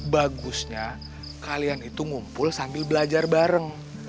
bagusnya kalian itu ngumpul sambil belajar bareng